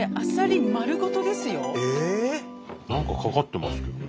何かかかってますけどね。